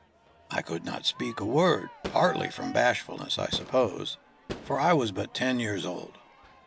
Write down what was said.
I could not speak a word, partly from bashfulness, I suppose, for I was but ten years old.